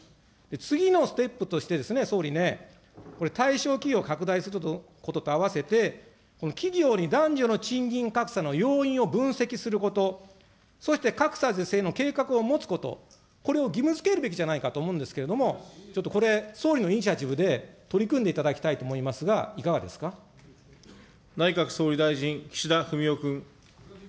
次のステップとして、総理ね、これ、対象企業を拡大することとあわせて、企業に男女の賃金格差の要因を分析すること、そして格差是正の計画を持つこと、これを義務づけるべきじゃないかと思うんですけれども、ちょっとこれ、総理のイニシアチブで取り組んでいただきたいと思いますが、内閣総理大臣、岸田文雄君。